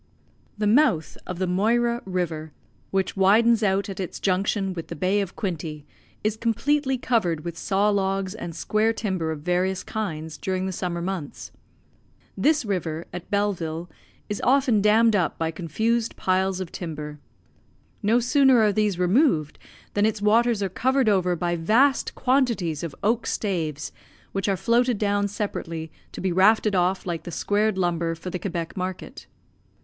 The mouth of the Moira River, which widens out at its junction with the Bay of Quinte, is completely covered with saw logs and square timber of various kinds during the summer months. This river, at Belleville, is often dammed up by confused piles of timber. No sooner are these removed than its waters are covered over by vast quantities of oak staves, which are floated down separately to be rafted off like the squared lumber for the Quebec market.